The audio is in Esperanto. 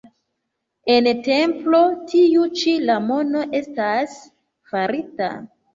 En templo tiu ĉi la mono estas farita.